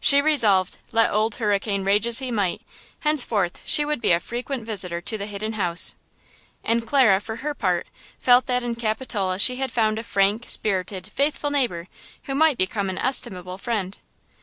She resolved, let Old Hurricane rage as he might, henceforth she would be a frequent visitor to the Hidden House. And Clara, for her part, felt that in Capitola she had found a frank, spirited, faithful neighbor who might become an estimable friend.